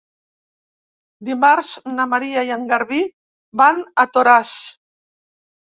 Dimarts na Maria i en Garbí van a Toràs.